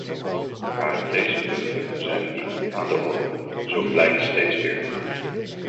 Maar deze punten zijn niet aan de orde, zo blijkt steeds weer.